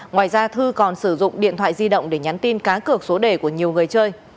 ngoài ra thư còn sử dụng điện thoại di động để nhắn tin cá cược số đề của nhiều người chơi